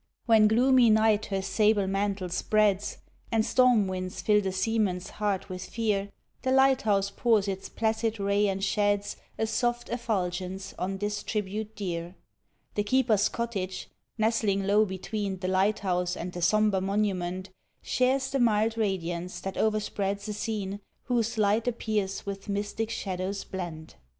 When gloomy night her sable mantle spreads, And storm winds fill the seaman's heart with fear, The light house pours its placid ray and sheds A soft effulgence on this tribute dear. The keeper's cottage, nestling low between The light house and the sombre monument, Shares the mild radiance that o'erspreads a scene Whose light appears with mystic shadows blent.